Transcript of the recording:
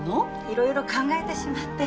いろいろ考えてしまって。